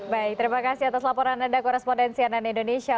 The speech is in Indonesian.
baik terima kasih atas laporan anda korespondensi ann indonesia